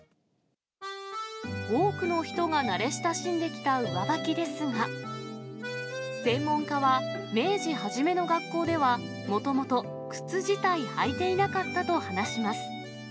多くの人が慣れ親しんできた上履きですが、専門家は、明治初めの学校では、もともと靴自体履いていなかったと話します。